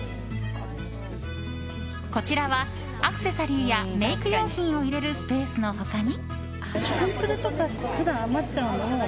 こちらはアクセサリーやメイク用品を入れるスペースの他に。